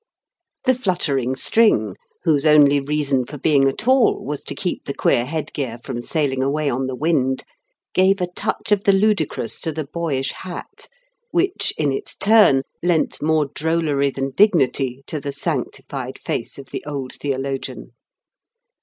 The fluttering string, whose only reason for being at all was to keep the queer head gear from sailing away on the wind, gave a touch of the ludicrous to the boyish hat which, in its turn, lent more drollery than dignity to the sanctified face of the old theologian.